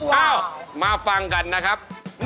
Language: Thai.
เอ้ามาฟังกันนะครับ